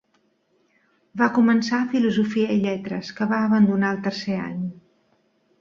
Va començar Filosofia i Lletres, que va abandonar al tercer any.